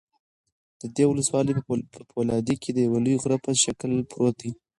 د دې ولسوالۍ په فولادي کې د یوه لوی غره په شکل پروت دى